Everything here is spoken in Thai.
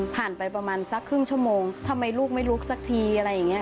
ไปประมาณสักครึ่งชั่วโมงทำไมลูกไม่ลุกสักทีอะไรอย่างนี้